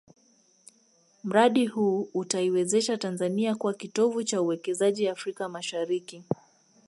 Mradi huu utaiwezesha Tanzania kuwa kitovu cha uwekezaji Afrika Mashariki